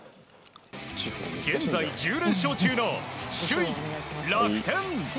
現在１０連勝中の首位、楽天。